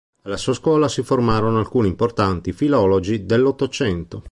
Alla sua scuola si formarono alcuni importanti filologi dell'Ottocento.